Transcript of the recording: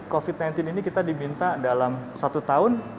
covid sembilan belas ini kita diminta dalam satu tahun